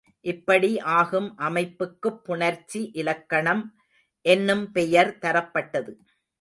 இப்படி ஆகும் அமைப்புக்குப் புணர்ச்சி இலக்கணம் என்னும் பெயர் தரப்பட்டது.